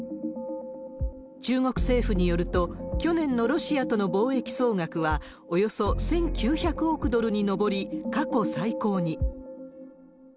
中国政府によると、去年のロシアとの貿易総額は、およそ１９００億ドルに上り、過去最高に。